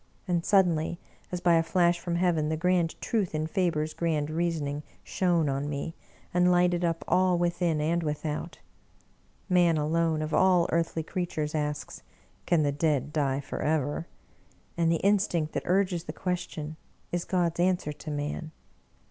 And suddenly, as by a flash from heaven, the grand truth in Faber's grand reasoning shone on me, and Hghted up all, within and without. Man alone, of all earthly creatures, asks, " Can the dead die forever ?" and the instinct that urges the question is God's answer to man.